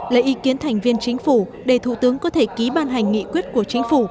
lấy ý kiến thành viên chính phủ để thủ tướng có thể ký ban hành nghị quyết của chính phủ